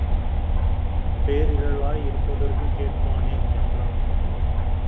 பேரிழலாய் இருப்பதற்குக் கேட்பானேன் —என்றான்.